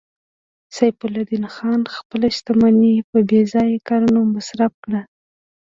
سیف الدین خان خپله شتمني په بې ځایه کارونو مصرف کړه